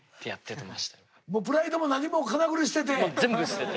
プライドも何もかなぐり捨てて。